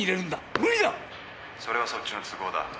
それはそっちの都合だ。